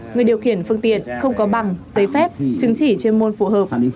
người điều khiển phương tiện không có bằng giấy phép chứng chỉ chuyên môn phù hợp